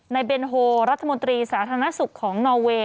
เบนโฮรัฐมนตรีสาธารณสุขของนอเวย์